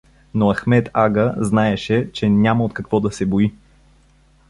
Но Ахмед ага знаеше, че няма от какво да се бои.